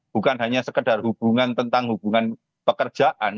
bukan hanya sekedar hubungan tentang hubungan pekerjaan